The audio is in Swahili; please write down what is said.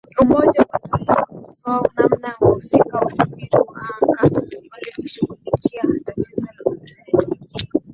umoja wa ulaya wakosoa namna wahusika wa usafiri wa anga wanavyoshughulikia tatizo la theluji